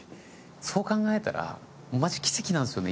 そう考えたらマジ奇跡なんですよね